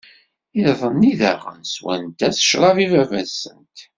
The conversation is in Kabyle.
Iḍ-nni daɣen, sswent-as ccṛab i Baba-tsent.